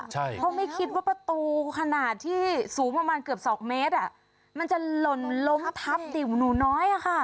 เพราะไม่คิดว่าประตูขนาดที่สูงประมาณเกือบ๒เมตรมันจะหล่นล้มทับดิวหนูน้อย